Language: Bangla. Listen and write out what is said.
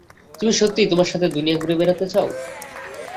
তুমি সত্যিই আমার সাথে দুনিয়া ঘুরে বেড়াতে চাও?